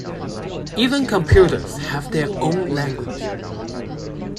Even computers have their own language.